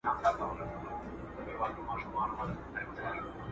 هغه تاجران چې ایران ته تلل راستانه شول.